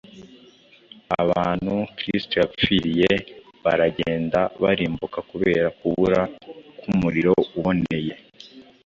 abantu kristo yapfiriye baragenda barimbuka kubera kubura k’umurimo uboneye,